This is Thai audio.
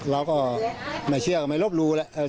เราก็ไม่เชื่อก็ไม่รบรู้แล้ว